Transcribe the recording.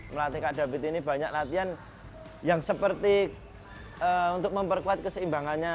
melatih kak david ini banyak latihan yang seperti untuk memperkuat keseimbangannya